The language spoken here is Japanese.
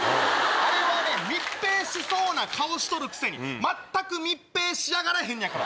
あれは密閉しそうな顔しとるくせに全く密閉しやがらへんねやから。